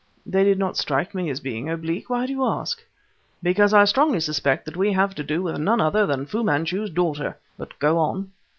"They did not strike me as being oblique. Why do you ask?" "Because I strongly suspect that we have to do with none other than Fu Manchu's daughter! But go on."